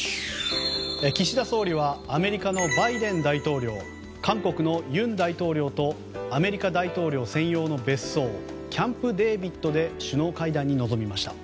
岸田総理はアメリカのバイデン大統領韓国の尹大統領とアメリカ大統領専用の別荘キャンプデービッドで首脳会談に臨みました。